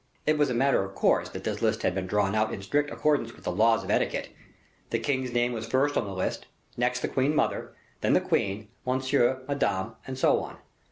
It was a matter of course that this list had been drawn out in strict accordance with the laws of etiquette. The king's name was first on the list, next the queen mother, then the queen, Monsieur, Madame, and so on.